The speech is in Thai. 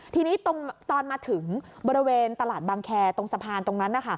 ทีนี้ตอนมาถึงบริเวณตลาดบางแคร์ตรงสะพานตรงนั้น